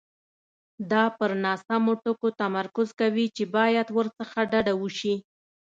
دا پر ناسمو ټکو تمرکز کوي چې باید ورڅخه ډډه وشي.